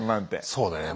そうだね。